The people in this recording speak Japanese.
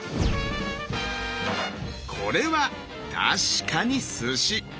これは確かにすし！